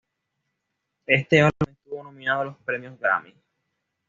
Este álbum estuvo nominado a los premios Grammy.